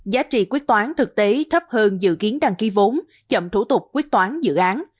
giá trị quyết toán thực tế thấp hơn dự kiến đăng ký vốn chậm thủ tục quyết toán dự án